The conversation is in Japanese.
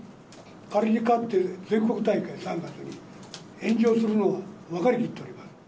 仮に勝って全国大会、３月に、炎上するのは分かりきっております。